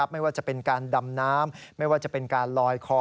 ไม่ว่าจะเป็นการดำน้ำไม่ว่าจะเป็นการลอยคอ